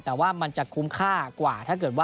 แต่ว่ามันจะคุ้มค่ากว่า